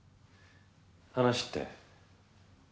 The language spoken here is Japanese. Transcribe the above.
話って？